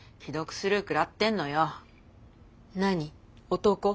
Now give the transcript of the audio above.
男？